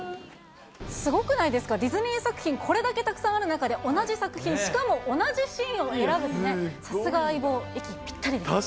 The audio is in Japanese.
すごくないですか、ディズニー作品、これだけたくさんある中で、同じ作品、しかも同じシーンを選ぶってね、さすが相棒、息ぴったりです。